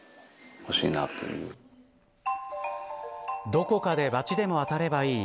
どこかで罰でも当たればいい。